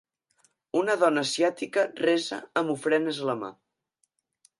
Una dona gran asiàtica resa amb ofrenes a la mà.